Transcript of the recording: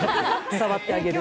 触ってあげる。